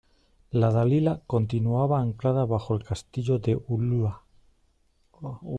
" la Dalila " continuaba anclada bajo el Castillo de Ulua